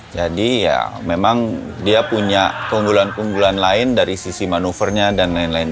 jadi memang dia punya keunggulan keunggulan lain dari sisi manuvernya dan lain lain